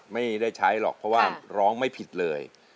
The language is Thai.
ไม่ได้ใช้หรอกเพราะว่าร้องไม่ผิดเลย